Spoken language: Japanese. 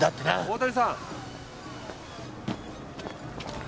大谷さん。